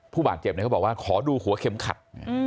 ผู้บาดเจ็บเขาบอกว่าขอดูหัวเข็มขัด